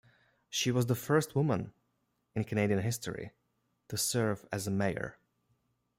She was the first woman in Canadian history to serve as a mayor.